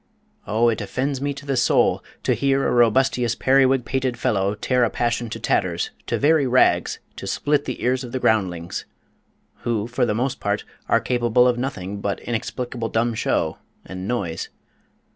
Oh, it offends me to the soul, to hear a robustious periwig pated fellow tear a passion to tatters, to very rags, to split the ears of the groundlings; who, for the most part, are capable of nothing but inexplicable dumb show, and noise.